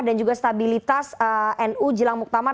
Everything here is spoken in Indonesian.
dan juga stabilitas nu jelang muktamar